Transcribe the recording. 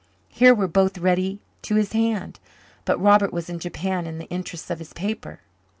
Here were both ready to his hand, but Robert was in Japan in the interests of his paper.